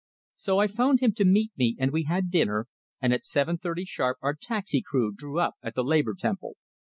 So I phoned him to meet me, and we had dinner, and at seven thirty sharp our taxi crew drew up at the Labor Temple.